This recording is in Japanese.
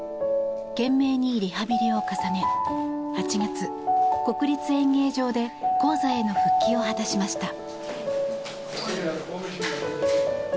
懸命にリハビリを重ね８月、国立演芸場で高座への復帰を果たしました。